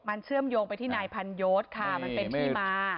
มันเชื่อมโยงไปที่นายพันยศค่ะมันเป็นที่มา